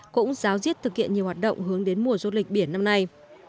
cũng giáo diết thực hiện nhiều hoạt động hướng đến mùa du lịch biển năm nay